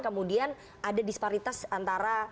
kemudian ada disparitas antara